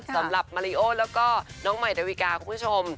สำหรับมาริโอแล้วก็น้องใหม่ดาวิกาคุณผู้ชม